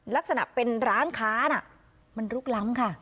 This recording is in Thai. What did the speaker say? ลักษณะเป็นร้านค้าน่ะมันลุกล้ำค่ะ